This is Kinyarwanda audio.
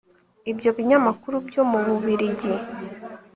ibyo binyamakuru byo mu bubiligi